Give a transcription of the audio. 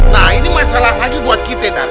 nah ini masalah lagi buat kita nanti